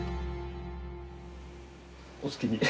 お好きに。